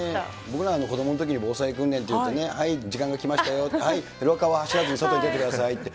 僕ら子どものときに防災訓練っていうと、時間が来ましたよ、はい、廊下は走らずに外出てくださいって。